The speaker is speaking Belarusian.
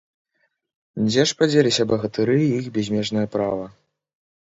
Дзе ж падзеліся багатыры і іх бязмежнае права?